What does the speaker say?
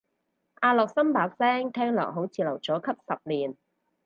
阿樂琛把聲聽落似留咗級十年